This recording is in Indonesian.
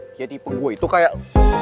dia tipe gue itu kayak